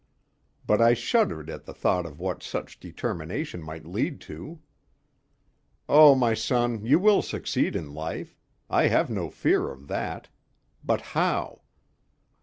But I shuddered at the thought of what such determination might lead to. "Oh! my son, you will succeed in life. I have no fear of that. But how?